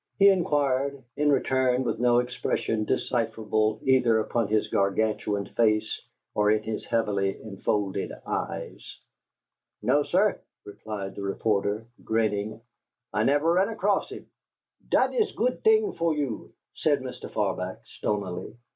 he inquired, in return, with no expression decipherable either upon his Gargantuan face or in his heavily enfolded eyes. "No, sir," replied the reporter, grinning. "I never ran across him." "Dot iss a goot t'ing fer you," said Mr. Farbach, stonily.